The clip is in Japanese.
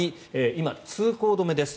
今、通行止めです。